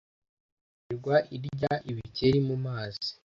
yirirwa irya ibikeri mumazi